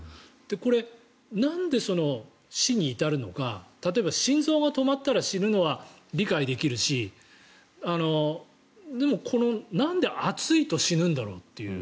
これ、なんで死に至るのか例えば心臓が止まったら死ぬのは理解できるしでも、なんで暑いと死ぬんだろうという。